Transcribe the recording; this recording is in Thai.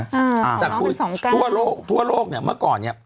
อ่าของน้องเป็นสองก้านทั่วโรคทั่วโรคเนี้ยเมื่อก่อนเนี้ย